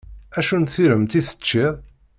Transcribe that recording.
Acu n tiremt i teččiḍ?